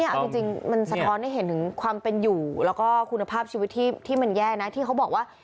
เอาจริงมันสะท้อนให้เห็นถึงความเป็นอยู่แล้วก็คุณภาพชีวิตที่มันแย่นะที่เขาบอกว่า